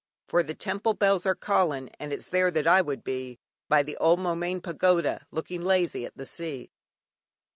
"For the temple bells are callin', and it's there that I would be By the old Moulmein Pagoda, looking lazy at the sea."